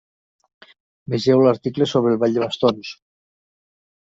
Vegeu l'article sobre el ball de bastons.